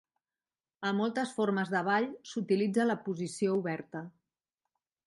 A moltes formes de ball s'utilitza la posició oberta.